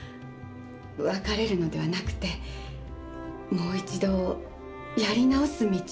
別れるのではなくてもう一度やり直す道を。